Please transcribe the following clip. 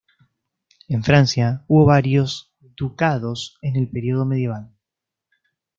En Francia hubo varios ducados en el periodo medieval.